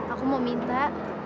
aku mau minta